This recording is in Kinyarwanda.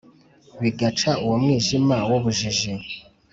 bigaca uwo mwijima w’ubujiji